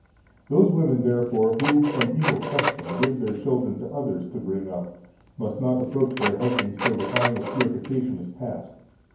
Those women, therefore, who, from evil custom, give their children to others to bring up, must not approach their husbands till the time of purification is past.